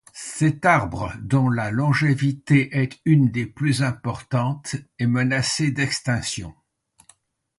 Cet arbre, dont la longévité est une des plus importantes, est menacé d'extinction.